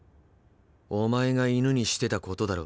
お前が犬にしてたことだろ。